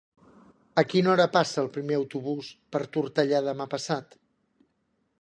A quina hora passa el primer autobús per Tortellà demà passat?